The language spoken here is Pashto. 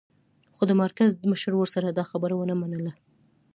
خو د مرکز مشر ورسره دا خبره و نه منله